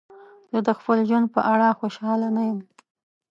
زه د خپل ژوند په اړه خوشحاله نه یم.